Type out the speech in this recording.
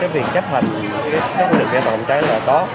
việc chấp hành các quy định về an toàn phòng cháy là có